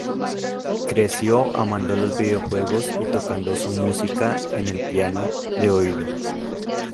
Creció amando los videojuegos y tocando su música en el piano, de oído.